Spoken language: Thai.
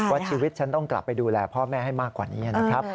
ว่าชีวิตฉันต้องกลับไปดูแลพ่อแม่ให้มากกว่านี้